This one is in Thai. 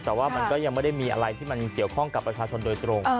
แต่ว่ามันก็ยังไม่ได้มีอะไรที่มันเกี่ยวข้องกับประชาชนโดยตรง